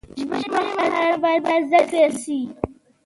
ژبني مهارتونه باید زده کړل سي.